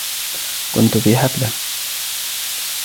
كنت في حفلة.